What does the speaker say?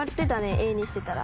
Ａにしてたら。